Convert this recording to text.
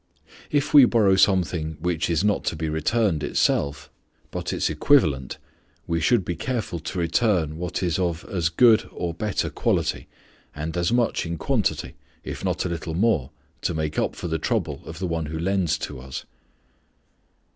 If we borrow something which is not to be returned itself, but its equivalent, we should be careful to return what is of as good or better quality, and as much in quantity, if not a little more, to make up for the trouble of the one who lends to us.